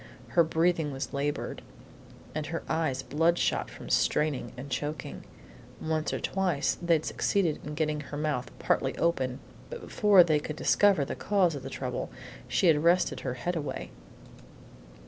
Her breathing was labored, and her eyes bloodshot from straining and choking. Once or twice they succeeded in getting her mouth partly open, but before they could fairly discover the cause of trouble she had wrested her head away.